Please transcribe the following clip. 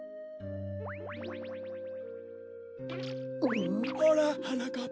ほらはなかっぱ。